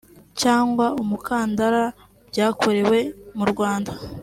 cyangwa umukandara byakorewe mu Rwanda